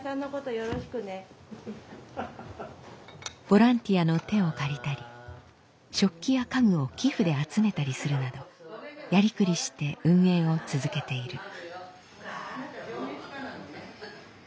ボランティアの手を借りたり食器や家具を寄付で集めたりするなどやりくりして運営を続けている。